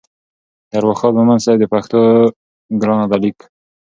د ارواښاد مومند صیب د پښتو ګرانه ده لیک